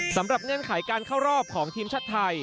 สำหรับเงื่อนไขการเข้ารอบของทีมชัดไทย